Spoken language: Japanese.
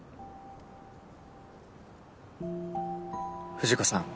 藤子さん。